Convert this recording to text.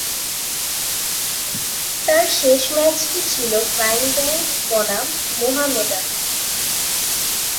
তার শেষ ম্যাচটি ছিল প্রাইম ব্যাংক বনাম মোহামেডান।